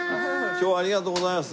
今日はありがとうございます。